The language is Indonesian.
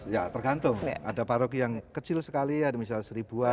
ya tergantung ada paroki yang kecil sekali ada misalnya seribuan